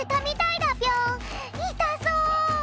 いたそう。